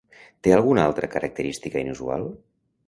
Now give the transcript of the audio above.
Té alguna altra característica inusual?